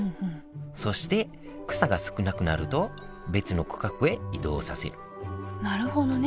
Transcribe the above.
そして草が少なくなると別の区画へ移動させるなるほどね。